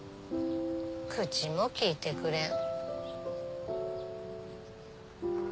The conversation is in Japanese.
口もきいてくれん。